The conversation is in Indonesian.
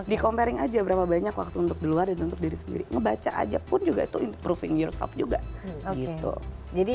di comparing aja berapa banyak waktu untuk di luar dan untuk diri sendiri ngebaca aja pun juga itu improving yourshop juga gitu jadi